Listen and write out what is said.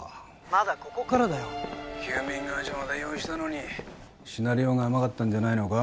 ☎まだここからだよ☎休眠会社まで用意したのにシナリオが甘かったんじゃないのか？